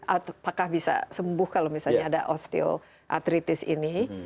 apakah bisa sembuh kalau misalnya ada osteopatritis ini